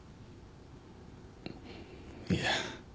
いえ。